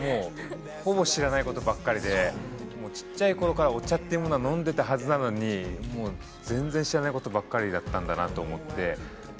◆ほぼ知らないことばっかりで、小さいころから、お茶というものは飲んでたはずなのに、全然知らないことばっかりだったんだと思って。